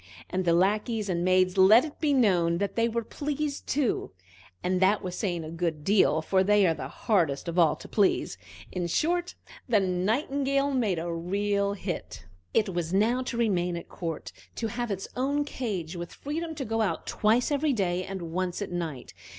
And the lackeys and maids let it be known that they were pleased too; and that was saying a good deal, for they are the hardest of all to please. In short, the Nightingale made a real hit. It was now to remain at court, to have its own cage, with freedom to go out twice every day and once at night.